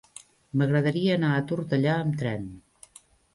M'agradaria anar a Tortellà amb tren.